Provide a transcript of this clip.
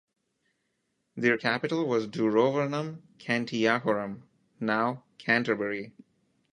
Their capital was "Durovernum Cantiacorum", now Canterbury.